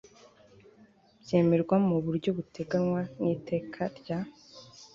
byemerwa mu buryo buteganywa n Iteka rya